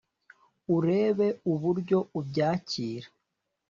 urebe uburyo abyakira.